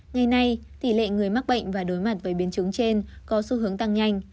ngày nay tỷ lệ người mắc bệnh và đối mặt với biến chứng trên có xu hướng tăng nhanh